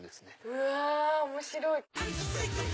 うわ面白い！